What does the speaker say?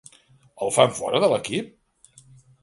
El fan fora de l'equip?